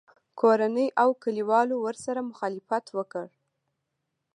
کورنۍ او کلیوالو ورسره مخالفت وکړ